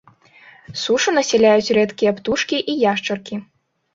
Сушу насяляюць рэдкія птушкі і яшчаркі.